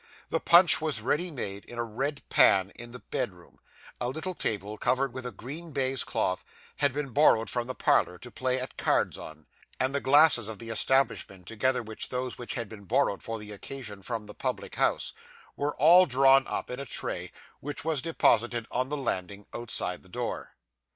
The punch was ready made in a red pan in the bedroom; a little table, covered with a green baize cloth, had been borrowed from the parlour, to play at cards on; and the glasses of the establishment, together with those which had been borrowed for the occasion from the public house, were all drawn up in a tray, which was deposited on the landing outside the door.